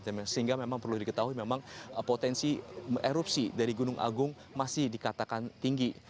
sehingga memang perlu diketahui memang potensi erupsi dari gunung agung masih dikatakan tinggi